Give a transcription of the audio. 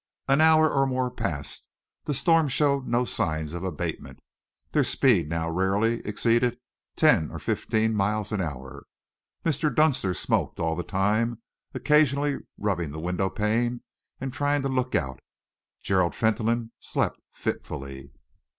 An hour or more passed; the storm showed no signs of abatement. Their speed now rarely exceeded ten or fifteen miles an hour. Mr. Dunster smoked all the time, occasionally rubbing the window pane and trying to look out. Gerald Fentolin slept fitfully.